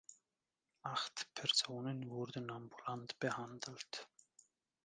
Acht Personen wurden ambulant behandelt.